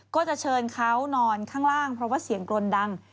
ก็จะเชิญเขานอนข้างล่างเพราะว่าเสียงกรนดัง